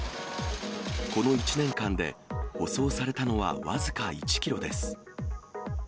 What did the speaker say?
この１年間で、舗装されたのは僅か１キロです。